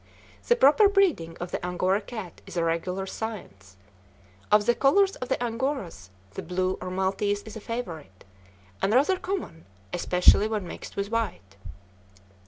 The proper breeding of the Angora cat is a regular science. Of the colors of the Angoras, the blue or maltese is a favorite, and rather common, especially when mixed with white.